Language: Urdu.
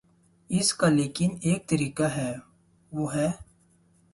اس کا لیکن ایک طریقہ ہے، وہ ہے۔